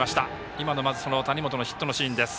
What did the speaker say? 今のまず谷本のヒットのシーンです。